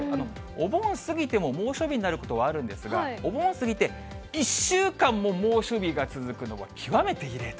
お盆過ぎても猛暑日になることはあるんですが、お盆過ぎて１週間も猛暑日が続くのは極めて異例と。